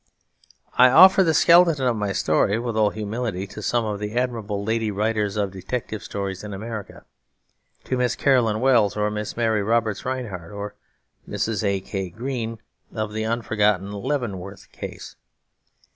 I offer the skeleton of my story with all humility to some of the admirable lady writers of detective stories in America, to Miss Carolyn Wells, or Miss Mary Roberts Rhinehart, or Mrs. A. K. Green of the unforgotten Leavenworth Case.